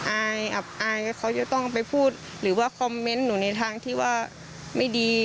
อับอายเขาจะต้องไปพูดหรือว่าคอมเมนต์หนูในทางที่ว่าไม่ดี